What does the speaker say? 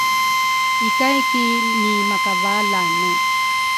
Ikay ki nimakavalane